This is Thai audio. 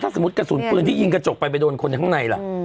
สมมุติกระสุนปืนที่ยิงกระจกไปไปโดนคนข้างในล่ะ